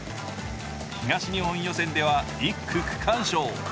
東日本予選では１区区間賞。